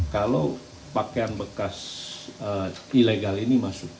kalau pakaian bekas ilegal ini masuk